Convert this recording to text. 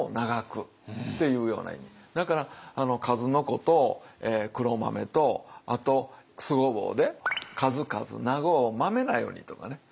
だから数の子と黒豆とあと酢ごぼうで数々長うマメなようにとかね。